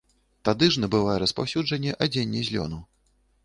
Тады ж набывае распаўсюджанне адзенне з лёну.